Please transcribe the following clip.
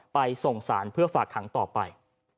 ไปส่งสารเพื่อฝากขังต่อไป